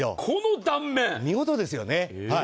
見事ですよね。